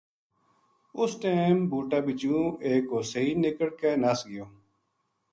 اُس ٹیم بوٹا بِچو ایک ہو سئی نِکڑ کے نس گیو